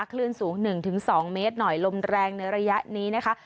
คลื่นสูงหนึ่งถึงสองเมตรหน่อยลมแรงในระยะนี้นะคะ